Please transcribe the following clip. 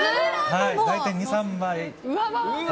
大体２３枚。